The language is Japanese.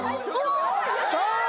さあ！